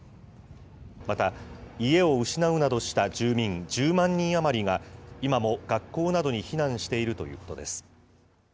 また、家を失うなどした住民１０万人余りが、今も学校などに避難しているということです。